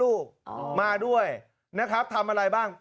ลูกมาด้วยนะครับทำอะไรบ้าง